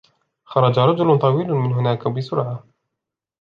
خرج رجل طويل من هناك بسرعة.